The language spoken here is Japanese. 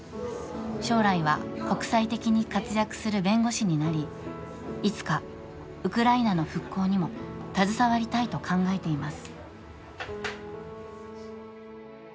将来は国際的に活躍する弁護士になりいつかウクライナの復興にも携わりたいと考えています。